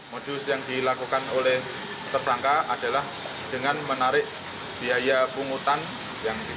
modus yang dilakukan oleh tersangka adalah dengan menarik biaya penghutang